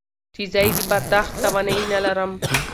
چې زه يې د پرداخت توانايي نه لرم.